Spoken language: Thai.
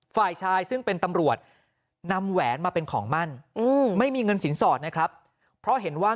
ฝ่ายชายซึ่งเป็นตำรวจนำแหวนมาเป็นของมั่นไม่มีเงินสินสอดนะครับเพราะเห็นว่า